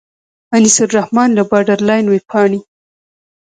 انیس الرحمن له باډرلاین وېبپاڼې.